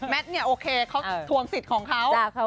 แมทเนี่ยโอเคเค้าถวงสิทธิ์ของเค้า